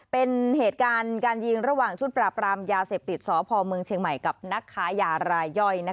เป็นเหตุการณ์การยิงระหว่างชุดปราบรามยาเสพติดสพเมืองเชียงใหม่กับนักค้ายารายย่อย